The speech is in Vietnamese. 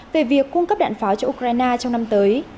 về việc cung cấp đạn pháo cho ukraine trong năm tới